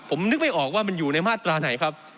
ผมนึกไม่ออกว่ามันอยู่ในมาตราไหนครับ